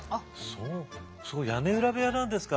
そうそこ屋根裏部屋なんですか。